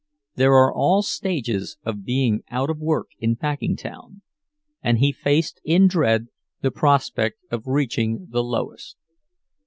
There are all stages of being out of work in Packingtown, and he faced in dread the prospect of reaching the lowest.